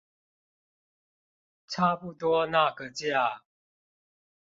差不多那個價